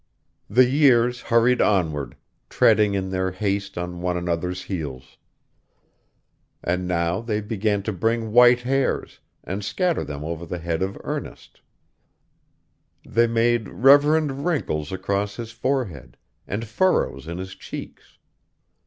The years hurried onward, treading in their haste on one another's heels. And now they began to bring white hairs, and scatter them over the head of Ernest; they made reverend wrinkles across his forehead, and furrows in his cheeks.